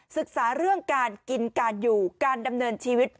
ศึกษาเรื่องการกินการอยู่การดำเนินชีวิต